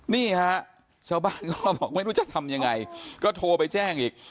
นี่ฮะชาวบ้านก็บอกไม่รู้จะทำยังไงก็โทรไปแจ้งอีก